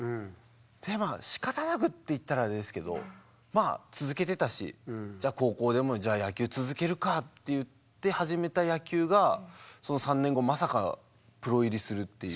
それでまあしかたなくって言ったらあれですけどまあ続けてたしじゃあ高校でも野球続けるかって言って始めた野球がその３年後まさかプロ入りするっていう。